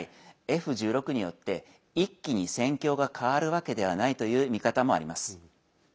Ｆ１６によって一気に戦況が変わるわけではないという見方もあります。